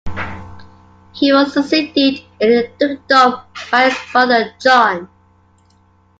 He was succeeded in the dukedom by his brother John.